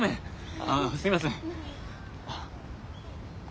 あすいません。